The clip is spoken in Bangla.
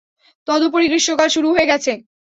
তদুপরি গ্রীষ্মকাল শুরু হয়ে গেছে।